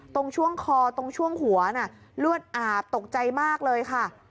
ตรงช่วงคอตรงช่วงหัวเลือดอาบตกใจมากเลยค่ะ